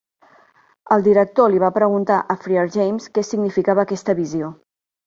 El Director li va preguntar a Friar James què significava aquesta visió.